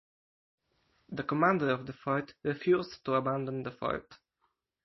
The commander of the fort refused to abandon the fort.